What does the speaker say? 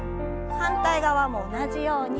反対側も同じように。